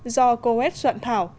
do coes dọn thảo